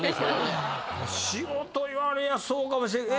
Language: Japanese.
仕事言われりゃそうかもしれん。